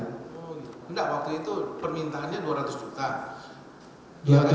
enggak waktu itu permintaannya dua ratus juta